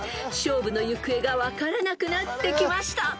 ［勝負の行方が分からなくなってきました］